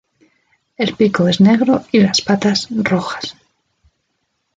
El pico es negro y las patas rojas.